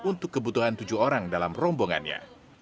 untuk kebutuhan tujuh orang dalam rombongannya